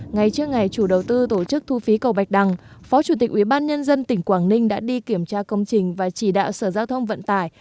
ngay trước ngày chủ đầu tư tổ chức thu phí cầu bạch đăng phó chủ tịch ubnd tỉnh quảng ninh đã đi kiểm tra công trình và chỉ đạo sở giao thông vận tải